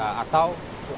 enggak mau basah